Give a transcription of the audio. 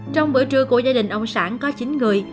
trong bữa trưa của gia đình ông sản có chín người